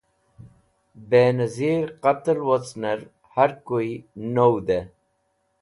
Benazir Qatal Wocner Harkuy Nowde